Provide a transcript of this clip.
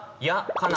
「かな」